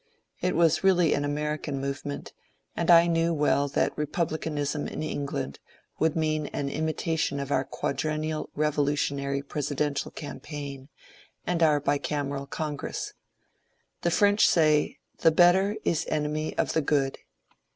It was reaUy an American movement, and I knew well that ^^ republicanism " in England would mean an imitation of our quadrennial revolutionary presidential cam paign, and our bicameral Congress. The French say, ^^ the better is enemy of the good."